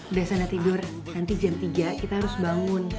udah sana tidur nanti jam tiga kita harus bangun